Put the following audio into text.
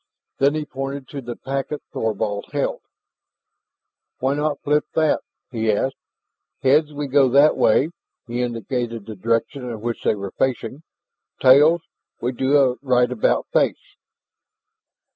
Then he pointed to the packet Thorvald held. "Why not flip that?" he asked. "Heads, we go that way " he indicated the direction in which they were facing "tails, we do a rightabout face."